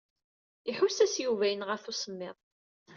Iḥuss-as Yuba yenɣa-t usemmiḍ.